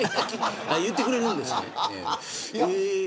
言ってくれるんですね。